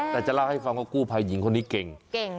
แต่จะเล่าให้ฟังว่ากู้ภัยหญิงคนนี้เก่ง